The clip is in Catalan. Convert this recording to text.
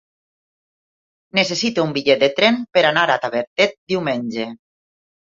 Necessito un bitllet de tren per anar a Tavertet diumenge.